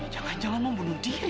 jangan jangan membunuh diri